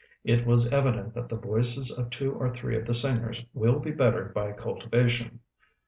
It was evident that the voices of two or three of the singers will be bettered by cultivation.